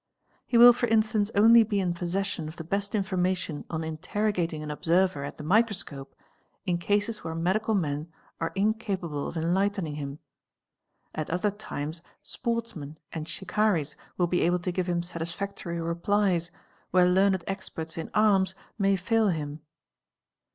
He will 01 instance only be in possession of the best information on interrogating n observer at the microscope in cases where medical men are incapable f enlightening him ; at other times sportsmen and shikaries will be able 0 give him satisfactory replies, where learned experts in arms may fail im.